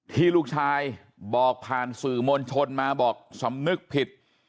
ที่ลูกชายบอกผ่านสื่อมวลชนมาบอกสำนึกผิด